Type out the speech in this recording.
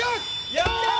やったー！